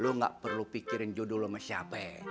lo gak perlu pikirin jodoh lo sama siapa ya